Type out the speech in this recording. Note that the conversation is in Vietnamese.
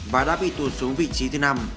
và đã bị tụt xuống vị trí thứ năm